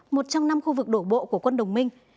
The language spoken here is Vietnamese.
một trong năm khu vực đổ bộ của quân đồng minh